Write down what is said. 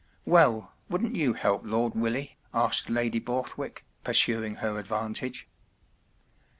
“ Well—wouldn’t you help Lord Willie ? ” asked Lady Borthwick, pursuing her advan¬ tage.